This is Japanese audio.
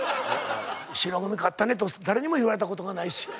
白組勝ったねと誰にも言われたことがないし。